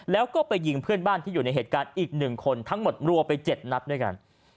แล้วก็ไปยิงเพื่อนบ้านที่อยู่ในเหตุการณ์อีก๑คนทั้งหมดรวมไป๗นัดด้วยกัน